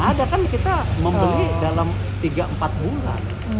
ada kan kita membeli dalam tiga empat bulan